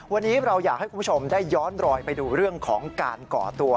วันนี้เราอยากให้คุณผู้ชมได้ย้อนรอยไปดูเรื่องของการก่อตัว